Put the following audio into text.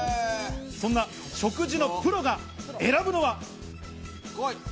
そんな食事のプロが選ぶのは。